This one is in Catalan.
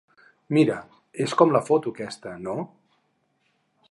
Mira, és com la foto aquesta, no?